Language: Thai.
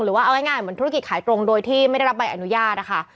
ว่าเอาง่ายเหมือนธุรกิจขายตรงโดยที่ไม่ได้รับใบอนุญาตนะคะ